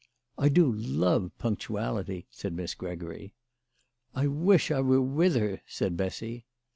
" I do love punctuality," said Miss Gregory. " I wish I were with her," said Bessy.